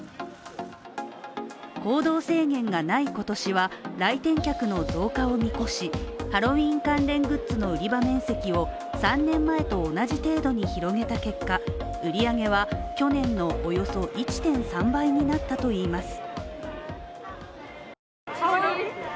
行動制限がない今年は、来店客の増加を見越しハロウィーン関連グッズの売り場面積を３年前と同じ程度に広げた結果、売り上げは去年のおよそ１．３倍になったといいます。